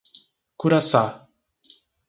Curaçá